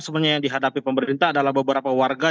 sebenarnya yang dihadapi pemerintah adalah beberapa warga